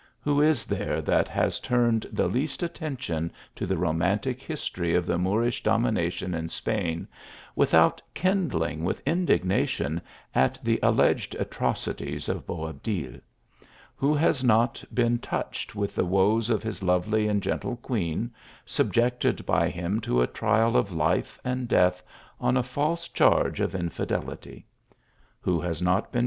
Who is there that has turned the least at tention to the romantic history of the Moorish dom ination in Spain, without kindling with indignation at the alleged atrocities of Boabdil ? Who has not been touched with the woes of his lovely and gentle queen, subjected by him to a trial of life and death, on a false charge of infidelity ? Who has not been 100 THE ALHAMBRA.